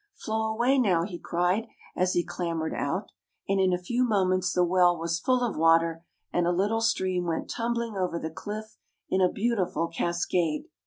" Flow away, now," he cried, as he clam bered out; and in a few moments the well was full of water, and a little stream went tumbling over the cliff in a beautiful cas cade.